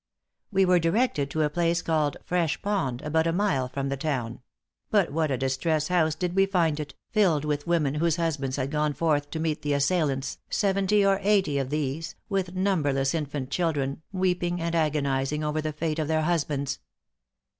We were directed to a place called Fresh pond, about a mile from the town; but what a distressed house did we find it, filled with women whose husbands had gone forth to meet the assailants, seventy or eighty of these (with numberless infant children,) weeping and agonizing for the fate of their husbands.